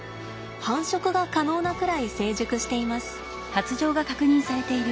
繁殖が可能なくらい成熟しています。